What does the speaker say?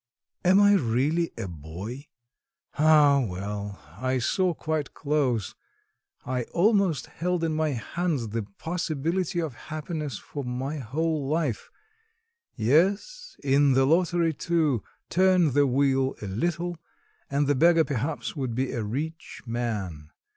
"Am I really a boy? Ah, well; I saw quite close, I almost held in my hands the possibility of happiness for my whole life; yes, in the lottery too turn the wheel a little and the beggar perhaps would be a rich man.